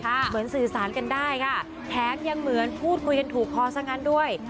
เหมือนสื่อสารกันได้ค่ะแถมยังเหมือนพูดคุยกันถูกพอซะงั้นด้วย